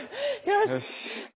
よし！